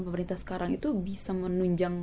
pemerintah sekarang itu bisa menunjang